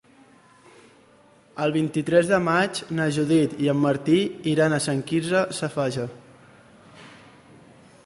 El vint-i-tres de maig na Judit i en Martí iran a Sant Quirze Safaja.